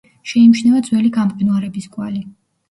შეიმჩნევა ძველი გამყინვარების კვალი.